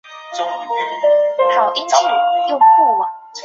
呈金黄色时即可捞出。